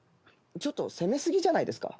ちょっと攻めすぎじゃないですか？